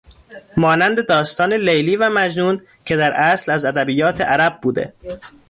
مانند داستان لیلی و مجنون که در اصل از ادبیات عرب بوده